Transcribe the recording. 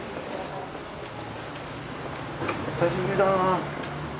久しぶりだな。